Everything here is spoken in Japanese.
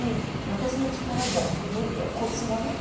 私の力じゃコツもね。